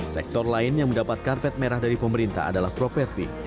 sektor lain yang mendapat karpet merah dari pemerintah adalah properti